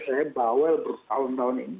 saya bawel bertahun tahun ini